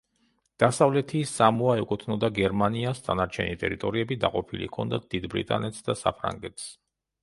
დასავლეთი სამოა ეკუთვნოდა გერმანიას, დანარჩენი ტერიტორიები დაყოფილი ჰქონდათ დიდ ბრიტანეთს და საფრანგეთს.